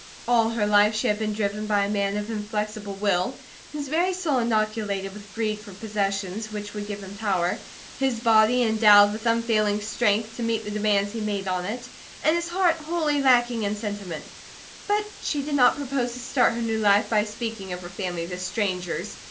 All her life she had been driven by a man of inflexible will, his very soul inoculated with greed for possessions which would give him power; his body endowed with unfailing strength to meet the demands he made on it, and his heart wholly lacking in sentiment; but she did not propose to start her new life by speaking of her family to strangers.